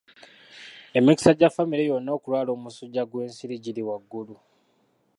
Emikisa gya famire yonna okulwala omusujja gw'ensiri giri waggulu.